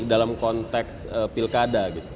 dalam konteks pilkada